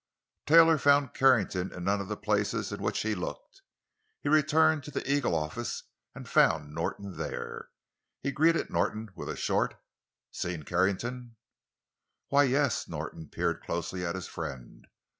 Taylor found Carrington in none of the places in which he looked. He returned to the Eagle office, and found Norton there. He greeted Norton with a short: "Seen Carrington?" "Why, yes." Norton peered closely at his friend.